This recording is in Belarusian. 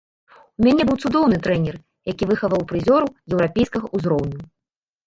У мяне быў цудоўны трэнер, які выхаваў прызёраў еўрапейскага ўзроўню.